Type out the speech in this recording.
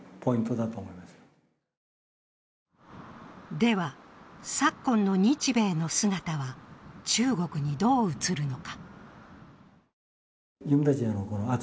では、昨今の日米の姿は中国にどう映るのか。